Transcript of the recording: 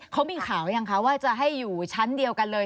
เขามีข่าวยังคะว่าจะให้อยู่ชั้นเดียวกันเลย